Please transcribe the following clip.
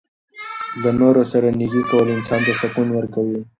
له نورو سره نیکي کول انسان ته سکون ورکوي.